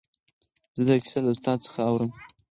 زه دا کیسه له استاد څخه اورم.